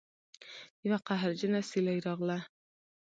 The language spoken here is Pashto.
یوه قهرجنه سیلۍ راغله